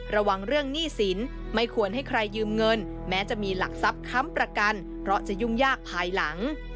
ระวังเรื่องหนี้สินไม่ควรให้ใครยืมเงินแม้จะมีหลักทรัพย์ค้ำประกันเพราะจะยุ่งยากภายหลัง